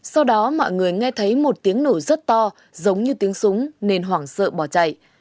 sau đó mọi người nghe thấy một tiếng nổ rất to giống như tiếng súng nên hoảng sợ bỏ chạy